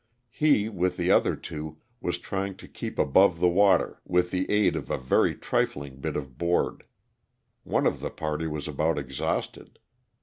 He, with the other two, was trying to keep above the water with the aid of a very trifling bit of board. One of the party was about exhausted.